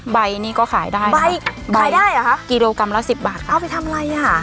ใบนี้ก็ขายได้ใบขายได้เหรอคะกิโลกรัมละสิบบาทเอาไปทำอะไรอ่ะ